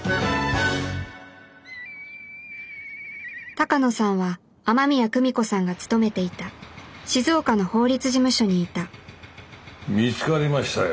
鷹野さんは雨宮久美子さんが勤めていた静岡の法律事務所にいた見つかりましたよ。